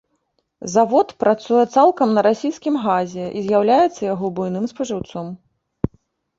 Завод працуе цалкам на расійскім газе і з'яўляецца яго буйным спажыўцом.